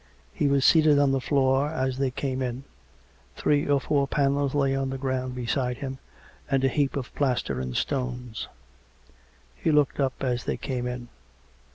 He was seated on the floor as tliey came in; three or four panels lay on the ground beside him, and a heap of plaster and stones. He looked up as they came in.